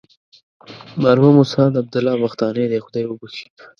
مرحوم استاد عبدالله بختانی دې خدای وبخښي.